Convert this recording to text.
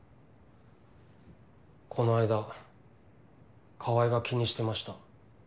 この間川合が気にしてました。